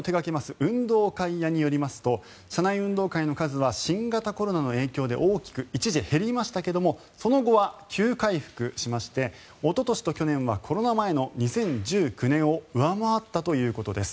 運動会屋によりますと社内運動会の数は新型コロナの影響で大きく、一時減りましたがその後は急回復しましておととしと去年はコロナ前の２０１９年を上回ったということです。